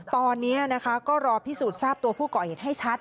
ตอนนี้นะคะก็รอพิสูจน์ทราบตัวผู้ก่อเหตุให้ชัด